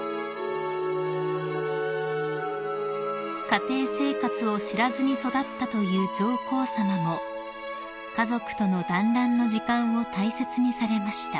［家庭生活を知らずに育ったという上皇さまも家族とのだんらんの時間を大切にされました］